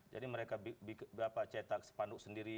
jadi mereka berapa cetak sepanduk sendiri